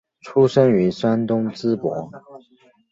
出生于山东淄博。